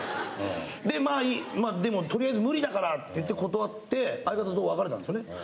でまあでもとりあえず無理だからって言って断って相方とわかれたんですね。